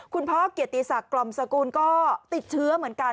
พ่อเกียรติศักดิ์กล่อมสกุลก็ติดเชื้อเหมือนกัน